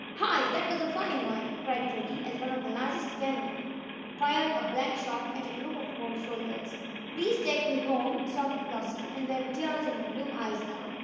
"Hi! That was a fine one!" cried Freddie, as one of the largest cannon fired a blank shot at a group of horse soldiers. "Please take me home!" sobbed Flossie, and there were tears in her blue eyes now.